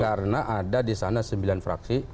karena ada di sana sembilan fraksi